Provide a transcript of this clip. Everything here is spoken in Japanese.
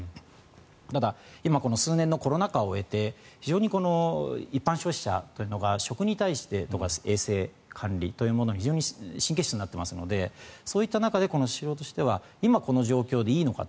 ただ、今はこの数年のコロナ禍を経て、一般消費者の食に対してとか衛生管理というものに非常に神経質になっていますのでそういった中でスシローとしてはこの状況でいいのかと。